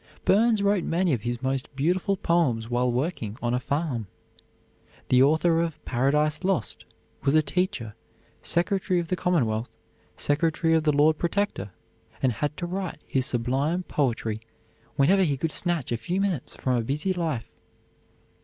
Burns wrote many of his most beautiful poems while working on a farm. The author of "Paradise Lost" was a teacher, Secretary of the Commonwealth, Secretary of the Lord Protector, and had to write his sublime poetry whenever he could snatch a few minutes from a busy life.